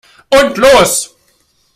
Und los!